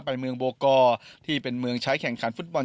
เมืองโบกอร์ที่เป็นเมืองใช้แข่งขันฟุตบอล